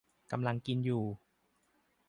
กำลังกินอยู่